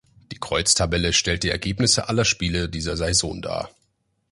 Die Kreuztabelle stellt die Ergebnisse aller Spiele dieser Saison dar.